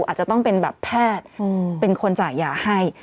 อาจจะต้องเป็นแบบแพทย์เป็นคนจ่ายยาให้